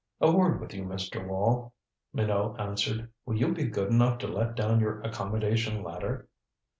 "A word with you, Mr. Wall," Minot answered. "Will you be good enough to let down your accommodation ladder?"